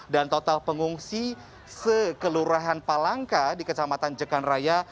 dan total pengungsi se kelurahan palangka di kecamatan jepan raya